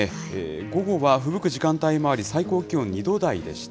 午後はふぶく時間帯もあり、最高気温２度台でした。